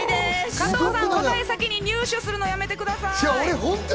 加藤さん、先に答えを入手するのやめてください。